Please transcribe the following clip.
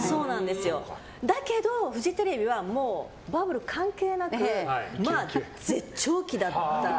だけど、フジテレビはバブル関係なく絶頂期だった。